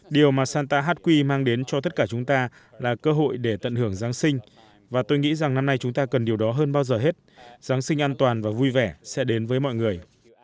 điều mà santa hát quy mang đến cho tất cả chúng ta là cơ hội để tận hưởng giáng sinh và tôi nghĩ rằng năm nay chúng ta cần điều đó hơn bao giờ hết giáng sinh an toàn và vui vẻ sẽ đến với mọi người